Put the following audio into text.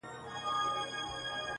• ته چي صبر کړې غرور پکښي څرګند دی -